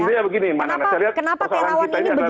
ini ya begini mana saya lihat soalan kita ini